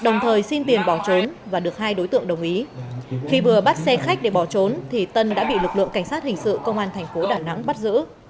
đồng thời xin tiền bỏ trốn và được hai đối tượng đồng ý khi vừa bắt xe khách để bỏ trốn thì tân đã bị lực lượng cảnh sát hình sự công an thành phố đà nẵng bắt giữ